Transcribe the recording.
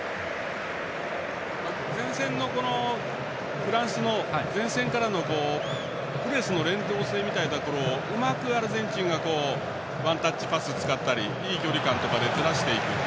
フランスの前線からのプレスの連動性みたいなところをうまくアルゼンチンがワンタッチパスを使ったりいい距離感でずらしていく。